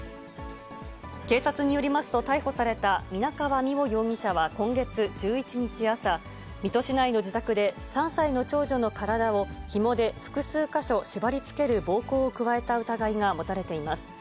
警察によりますと、逮捕された皆川美桜容疑者は今月１１日朝、水戸市内の自宅で３歳の長女の体をひもで複数箇所縛りつける暴行を加えた疑いが持たれています。